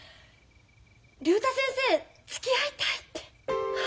竜太先生つきあいたいって。